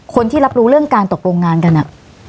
คนที่รับรู้เรื่องการตกลงงานกันอ่ะ